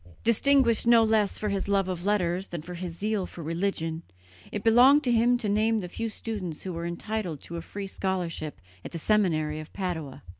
Distinguished no less for his love of letters than for his zeal for religion, it belonged to him to name the few students who were entitled to a free scholarship at the seminary of Padua.